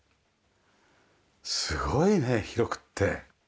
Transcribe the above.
すごいね広くって。